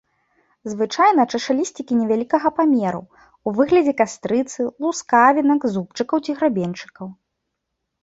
Звычайна чашалісцікі невялікага памеру, у выглядзе кастрыцы, лускавінак, зубчыкаў ці грабеньчыкаў.